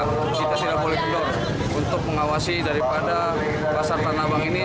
kita tidak boleh kendor untuk mengawasi daripada pasar tanah abang ini